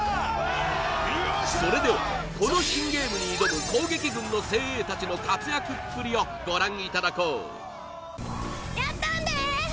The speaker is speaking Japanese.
おーっそれではこの新ゲームに挑む攻撃軍の精鋭たちの活躍っぷりをご覧いただこうやったんでー！